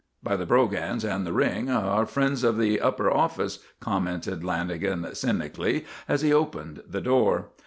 "By the brogans and the ring, our friends of the upper office," commented Lanagan cynically as he opened the door.